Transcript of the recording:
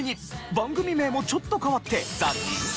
番組名もちょっと変わって。